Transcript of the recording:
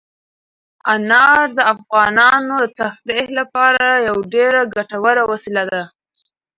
انار د افغانانو د تفریح لپاره یوه ډېره ګټوره وسیله ده.